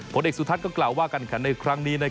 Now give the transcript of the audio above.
ผลเอกสุธัตรก็กล่าวว่าการกันในครั้งนี้นะครับ